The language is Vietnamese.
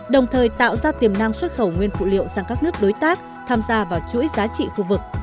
đồng thời tạo ra tiềm năng xuất khẩu nguyên phụ liệu sang các nước đối tác tham gia vào chuỗi giá trị khu vực